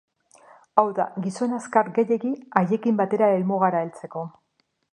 Hau da, gizon azkar gehiegi haiekin batera helmugara heltzeko.